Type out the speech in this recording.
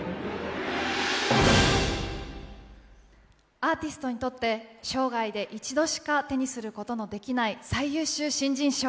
アーティストにとって、生涯で一度しか手にすることができない最優秀新人賞。